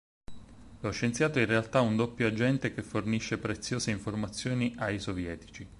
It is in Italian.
Lo scienziato è in realtà un doppio agente che fornisce preziose informazioni ai sovietici.